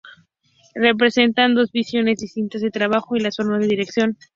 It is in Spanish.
Representan dos visiones distintas del trabajo y las formas de dirección.